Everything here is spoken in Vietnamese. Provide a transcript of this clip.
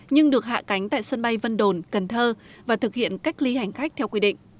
nhưng được hạ cánh tại sân bay vân đồn cần thơ và thực hiện cách ly hành khách theo quy định